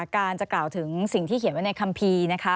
การจะกล่าวถึงสิ่งที่เขียนไว้ในคัมภีร์นะคะ